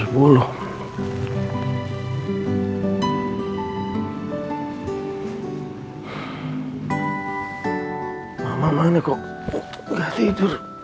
mama mama ini kok gak tidur